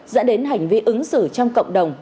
dẫn đến hành vi ứng xử trong cộng đồng